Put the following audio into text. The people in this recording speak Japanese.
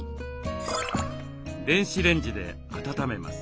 電子レンジで温めます。